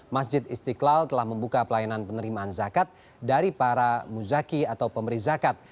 masjid istiqlal telah membuka pelayanan penerimaan zakat dari para muzaki atau pemberi zakat